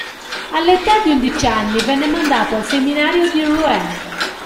All'età di undici anni venne mandato al seminario di Rouen.